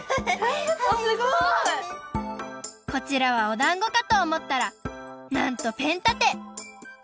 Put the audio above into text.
すごい！こちらはおだんごかとおもったらなんとペンたて！